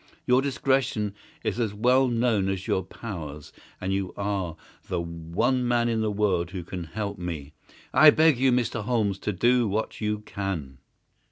Your discretion is as well known as your powers, and you are the one man in the world who can help me. I beg you, Mr. Holmes, to do what you can."